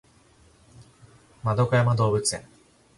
円山動物園